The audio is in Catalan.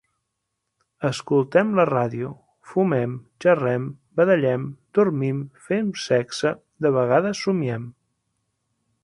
Escoltem la ràdio, fumem, xerrem, badallem, dormim, fem sexe, de vegades somiem.